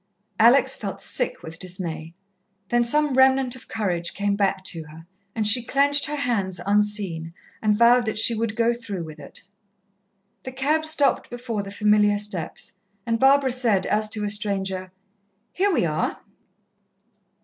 Alex felt sick with dismay. Then some remnant of courage came back to her, and she clenched her hands unseen, and vowed that she would go through with it. The cab stopped before the familiar steps, and Barbara said, as to a stranger: "Here we are."